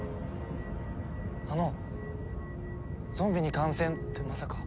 あのゾンビに感染ってまさか。